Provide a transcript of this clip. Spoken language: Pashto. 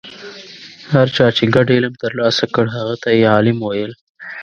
هر چا چې ګډ علم ترلاسه کړ هغه ته یې عالم ویل.